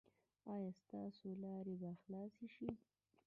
ایا ستاسو لارې به خلاصې شي؟